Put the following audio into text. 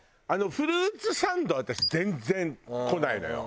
フルーツサンドは私全然こないのよ。